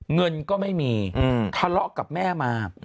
เงินก็ไม่มีทะเลาะกับแม่มา